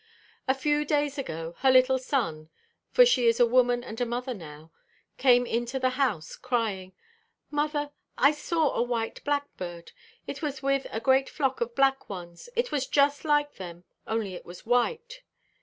A few days ago, her little son (for she is a woman and a mother now) came into the house crying, "Mother, I saw a white blackbird. It was with a great flock of black ones; it was just like them, only it was white."